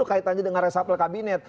kaitannya dengan resapel kabinet